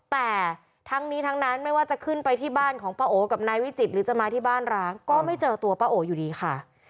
แต่ทั้งนี้ทั้งนั้นไม่ว่าจะขึ้นไปที่บ้านของป้าโอกับนายวิจิตรหรือจะมาที่บ้านร้างก็ไม่เจอตัวป้าโออยู่ดีค่ะ